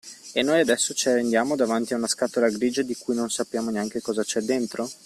E noi adesso ci arrendiamo davanti ad una scatola grigia di cui non sappiamo neanche cosa c'è dentro?